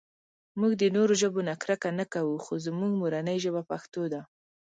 مونږ د نورو ژبو نه کرکه نهٔ کوؤ خو زمونږ مورنۍ ژبه پښتو ده